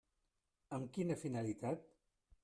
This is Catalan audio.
Amb quina finalitat?